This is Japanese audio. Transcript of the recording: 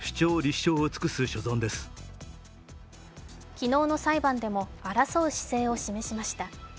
昨日の裁判でも争う姿勢を示しました。